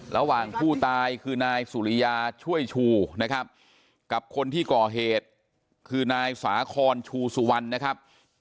ระหว่างผู้ตายคือนายสุริยาช่วยชูนะครับกับคนที่ก่อเหตุคือนายสาคอนชูสุวรรณนะครับ